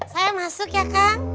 saya masuk ya kang